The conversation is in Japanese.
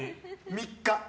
３日。